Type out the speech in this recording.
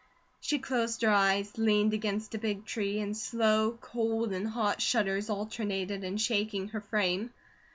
She closed her eyes, leaned against a big tree, and slow, cold and hot shudders alternated in shaking her frame.